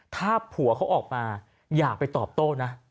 ถ้าผัวเขาออกมาอย่าไปตอบโต้นะ